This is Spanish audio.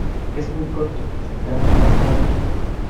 ¡ Es muy corto! ¡ necesitamos más monos !